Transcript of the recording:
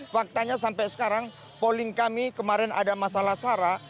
faktanya sampai sekarang polling kami kemarin ada masalah sarah